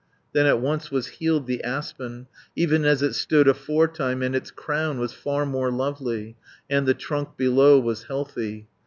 Then at once was healed the aspen, Even as it stood aforetime, 480 And its crown was far more lovely, And the trunk below was healthy.